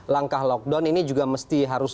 langkah lockdown ini juga mesti harus